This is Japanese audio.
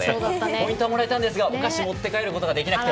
ポイントはもらえたんですがお菓子持って帰ることができなくて